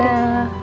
terima kasih ibu